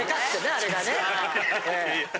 あれがね。